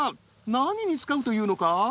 何に使うというのか？